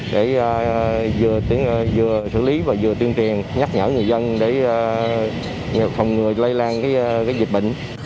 để vừa xử lý và vừa tuyên truyền nhắc nhở người dân để không người lây lan dịch bệnh